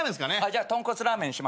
じゃあ豚骨ラーメンにしましょう。